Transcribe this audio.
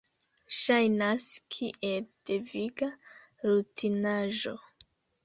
Ŝajnas kiel deviga rutinaĵo.